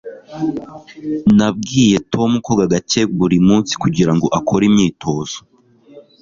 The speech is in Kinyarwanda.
Nabwiye Tom koga gake buri munsi kugirango akore imyitozo.